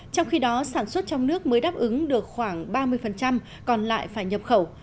trong khi đó sản xuất trong nước mới đáp ứng được khoảng ba mươi còn lại phải nhập khẩu